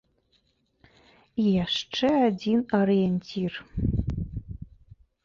І яшчэ адзін арыенцір.